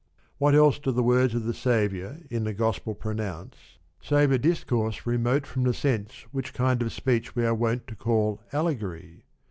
What else do the words of the Saviour, uttered in the Gospel pronounce, save a dis course remote from the sense, which kind of speech we are wont to call allegory